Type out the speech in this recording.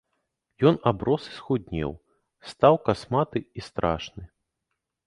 Ён аброс і схуднеў, стаў касматы і страшны.